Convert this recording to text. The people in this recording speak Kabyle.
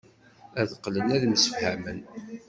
Ad qqlen ad msefhamen.